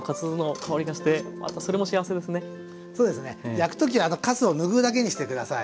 焼く時はかすを拭うだけにして下さい。